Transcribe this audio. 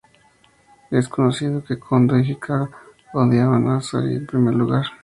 Es conocido que Kondo y Hijikata odiaban a Serizawa en primer lugar.